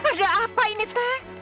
ada apa ini teh